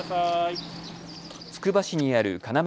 つくば市にある要